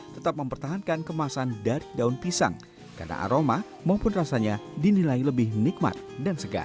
tetap mempertahankan kemasan dari daun pisang karena aroma maupun rasanya dinilai lebih nikmat dan segar